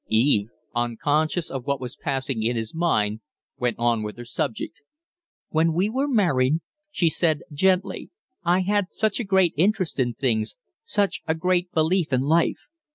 Eve, unconscious of what was passing in his mind, went on with her subject. "When we were married," she said, gently, "I had such a great interest in things, such a great belief in life.